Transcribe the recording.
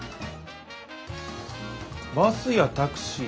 バスやタクシーは